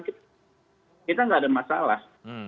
kita tidak ada masalah